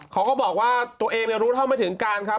เขาก็บอกว่าตัวเองรู้เท่าไม่ถึงการครับ